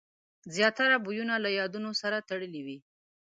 زیاتره بویونه له یادونو سره تړلي وي.